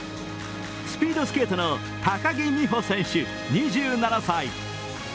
スピードスケートの高木美帆選手２７歳。